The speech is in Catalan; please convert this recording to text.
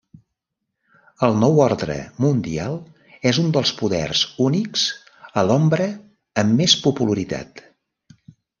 El Nou Ordre Mundial és un dels poders únics a l'ombra amb més popularitat.